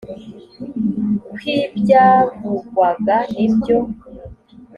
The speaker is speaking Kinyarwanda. kw ibyavugwagwa n ibyo